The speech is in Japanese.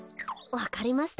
わかりました。